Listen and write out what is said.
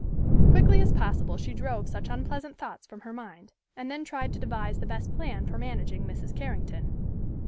Quickly as possible she drove such unpleasant thoughts from her mind, and then tried to devise the best plan for managing Mrs. Carrington.